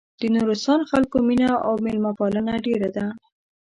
د نورستان خلکو مينه او مېلمه پالنه ډېره ده.